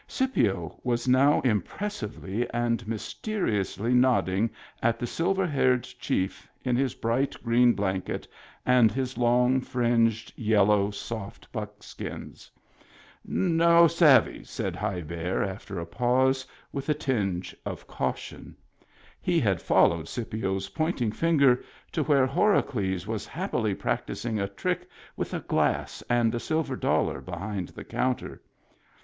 Scipio was now impressively and mysteriously nodding at the sil ver haired chief in his bright, green blanket, and his long, fringed, yellow, soft buckskins. " No savvy," said High Bear, after a pause, with a tinge of caution. He had followed Scipio's pointing finger to where Horacles was happily practising a trick with a glass and a silver dollar behind the counter.